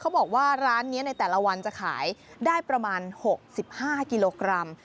บอกว่าร้านนี้ในแต่ละวันจะขายได้ประมาณ๖๕กิโลกรัม